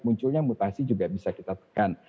munculnya mutasi juga bisa kita tekan